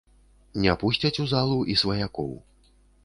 Не пусцяць у залу і сваякоў.